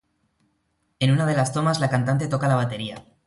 En una de las tomas la cantante toca la batería.